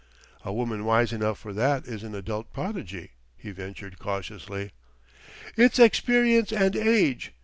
"A woman wise enough for that is an adult prodigy," he ventured cautiously. "It's experience and age.